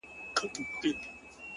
راډيو!